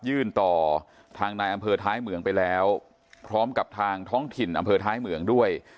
ต่อทางนายอำเภอท้ายเหมืองไปแล้วพร้อมกับทางท้องถิ่นอำเภอท้ายเหมืองด้วย